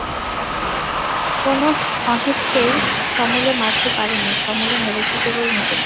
কোনো অহিতকেই সমূলে মারতে পারি নি, সমূলে মেরেছি কেবল নিজেকে।